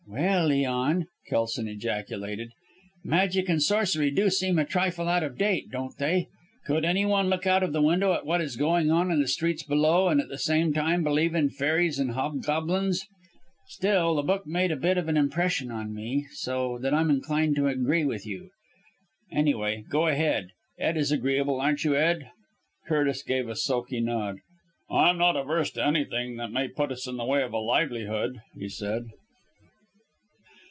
"Well, Leon," Kelson ejaculated, "magic and sorcery do seem a trifle out of date, don't they? Could any one look out of the window at what is going on in the streets below, and at the same time believe in fairies and hobgoblins? Still the book made a bit of an impression on me, so that I'm inclined to agree with you. Anyway, go ahead! Ed is agreeable, aren't you, Ed?" Curtis gave a sulky nod. "I'm not averse to anything that may put us in the way of a livelihood," he said.